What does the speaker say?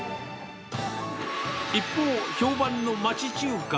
一方、評判の町中華。